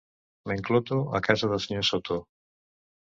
M'encloto a casa del senyor Soto.